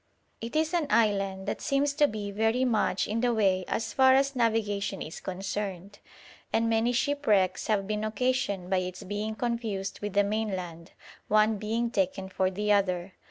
It is an island that seems to be very much in the way as far as navigation is concerned, and many shipwrecks have been occasioned by its being confused with the mainland, one being taken for the other.